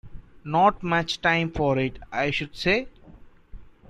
Not much time for it, I should say?